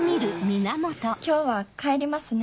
「今日は帰りますね。